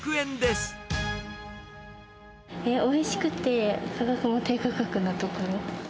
おいしくて価格も低価格なところ。